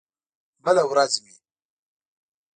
بله ورځ مې